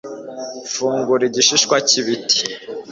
fungura igishishwa cy'ibiti